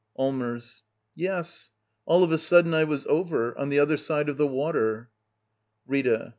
Allmers. Yes. All of a sudden, I was over — on the other side of the water. . Rita.